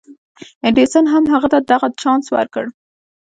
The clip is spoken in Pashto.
ايډېسن هم هغه ته دغه چانس ورکړ.